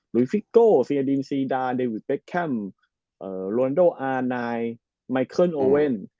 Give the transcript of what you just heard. ลุยฟิกโกซีอาดีมซีดาเดวิดเบคแคมโรนาโดอาร์ไนไมเคิลโอเวน